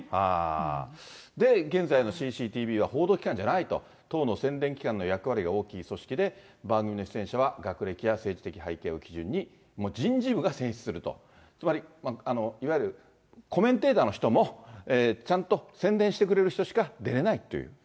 で、現在のＣＣＴＶは報道機関じゃないと、党の宣伝機関の役割が大きい組織で、番組の出演者は学歴や政治的背景を基準に、人事部が選出すると。つまりいわゆるコメンテーターの人も、ちゃんと宣伝してくれる人しか出れないという。